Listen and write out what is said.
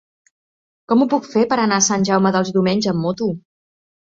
Com ho puc fer per anar a Sant Jaume dels Domenys amb moto?